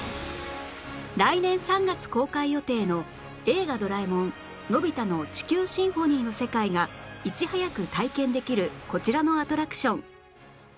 来年３月公開予定の『映画ドラえもんのび太の地球交響楽』の世界がいち早く体験できるこちらのアトラクション